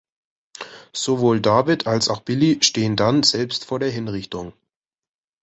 Sowohl David als auch Billy stehen dann selbst vor der Hinrichtung.